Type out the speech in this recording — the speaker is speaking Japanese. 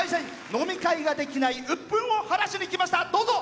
飲み会ができないうっぷんを晴らしに来ました。